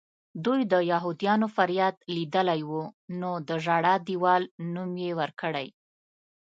دوی د یهودیانو فریاد لیدلی و نو د ژړا دیوال نوم یې ورکړی.